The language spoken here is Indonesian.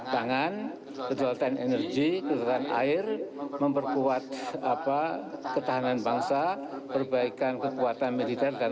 tangan kejualatan energi kejualatan air memperkuat apa ketahanan bangsa perbaikan kekuatan militer dan